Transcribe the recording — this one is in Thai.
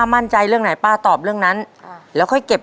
มันแบบว่าการตอบให้ใครกัน